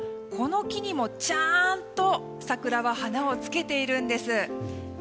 この木にも、ちゃんと桜は花をつけているんです。